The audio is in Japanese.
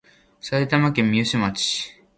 埼玉県三芳町